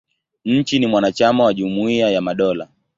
Nchi ni mwanachama wa Jumuia ya Madola.